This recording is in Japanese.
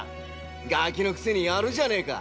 ガキのくせにやるじゃねェか。